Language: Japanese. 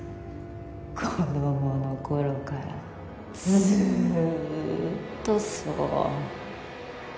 子どもの頃からずっとそう。